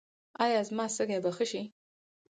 ایا زما سږي به ښه شي؟